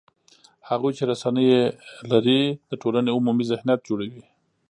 هغوی چې رسنۍ یې لري، د ټولنې عمومي ذهنیت جوړوي